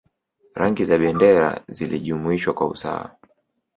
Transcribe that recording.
Rangi za bendera zilijumuishwa kwa usawa